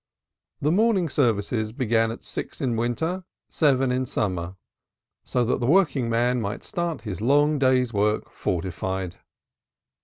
The morning services began at six in summer and seven in winter, so that the workingman might start his long day's work fortified.